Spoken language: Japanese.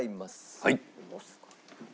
はい。